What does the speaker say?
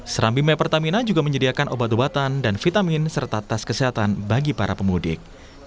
serambi my pertamina juga menyediakan obat obatan dan vitamin serta tes kesehatan bagi para pemudik